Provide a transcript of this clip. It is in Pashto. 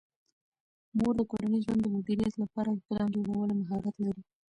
مور د کورني ژوند د مدیریت لپاره د پلان جوړولو مهارت لري.